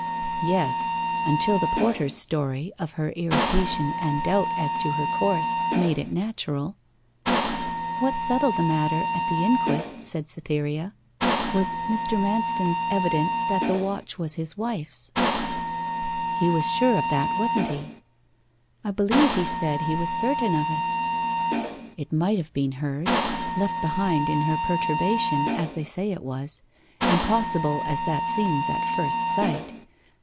'Yes, until the porter's story of her irritation and doubt as to her course made it natural.' 'What settled the matter at the inquest,' said Cytherea, 'was Mr. Manston's evidence that the watch was his wife's.' 'He was sure of that, wasn't he?' 'I believe he said he was certain of it.' 'It might have been hers left behind in her perturbation, as they say it was impossible as that seems at first sight.